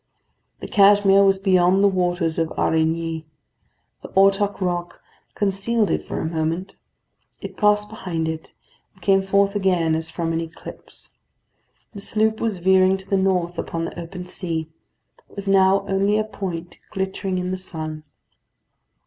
The Cashmere was beyond the waters of Aurigny. The Ortach rock concealed it for a moment; it passed behind it, and came forth again as from an eclipse. The sloop was veering to the north upon the open sea. It was now only a point glittering in the sun.